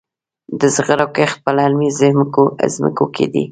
د زغرو کښت په للمي ځمکو کې دی.